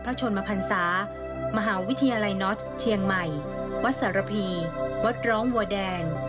ชนมพันศามหาวิทยาลัยน็อตเชียงใหม่วัดสารพีวัดร้องวัวแดง